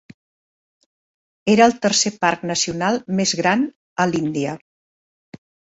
Era el tercer parc nacional més gran a l'Índia.